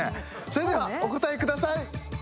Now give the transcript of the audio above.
それではお答えください。